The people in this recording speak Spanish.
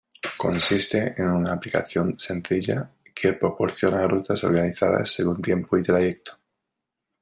Consiste en una aplicación sencilla que proporciona rutas organizadas según tiempo y trayecto.